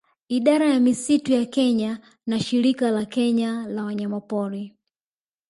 Idara ya misitu ya Kenya na Shirika la Kenya la Wanyamapori